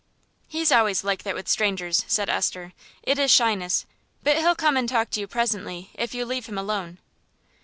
"He's always like that with strangers," said Esther; "it is shyness; but he'll come and talk to you presently, if you leave him alone."